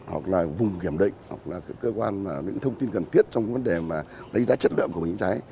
hoặc là vùng kiểm định hoặc là cái cơ quan mà những thông tin cần thiết trong vấn đề mà đánh giá chất lượng của bình chữa cháy